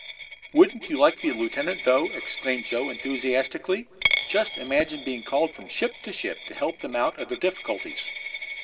"Wouldn't you like to be a lieutenant, though?" exclaimed Joe enthusiastically. "Just imagine being called from ship to ship to help them out of their difficulties."